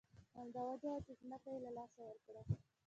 همدا وجه وه چې ځمکه یې له لاسه ورکړه.